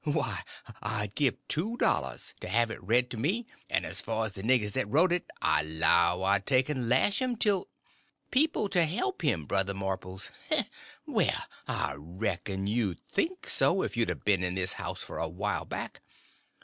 Why, I'd give two dollars to have it read to me; 'n' as for the niggers that wrote it, I 'low I'd take 'n' lash 'm t'll—" "People to help him, Brother Marples! Well, I reckon you'd think so if you'd a been in this house for a while back.